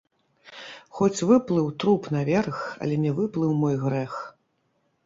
Хоць выплыў труп наверх, але не выплыў мой грэх!